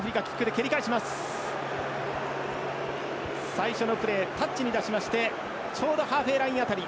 最初のプレータッチに出しまして、ちょうどハーフウェーライン辺り。